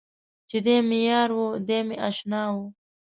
چې دی مې یار و دی مې اشنا و.